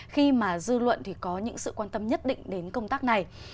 khi mà dư luận thì có những sự quan tâm nhất định đến công tác này